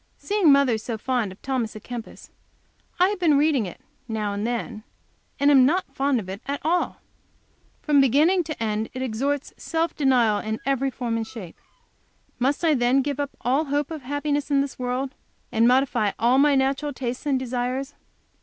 Seeing mother so fond of Thomas A Kempis, I have been reading it, now and then, and am not fond of it at all. From beginning to end it exhorts to self denial in every form and shape. Must I then give up all hope of happiness in this world, and modify all my natural tastes and desires?